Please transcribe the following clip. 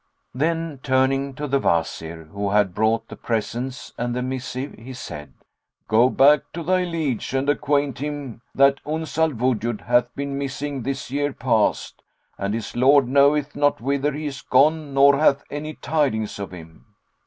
Then, turning to the Wazir who had brought the presents and the missive, he said, "Go back to thy liege and acquaint him that Uns al Wujud hath been missing this year past, and his lord knoweth not whither he is gone nor hath any tidings of him."